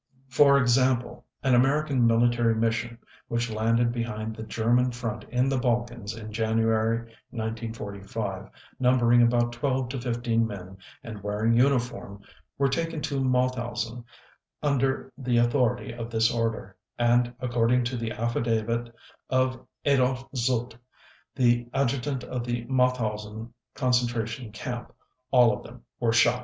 For example, an American military mission which landed behind the German front in the Balkans in January 1945, numbering about twelve to fifteen men and wearing uniform, were taken to Mauthausen under the authority of this order, and according to the affidavit of Adolf Zutte, the adjutant of the Mauthausen Concentration Camp, all of them were shot.